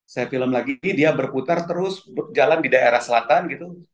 saya film lagi dia berputar terus jalan di daerah selatan gitu